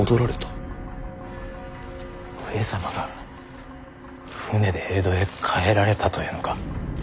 上様が船で江戸へ帰られたというのか。